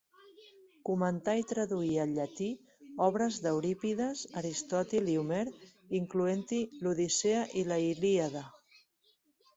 Comentà i traduí al llatí obres d'Eurípides, Aristòtil i Homer incloent-hi l'Odissea i la Ilíada.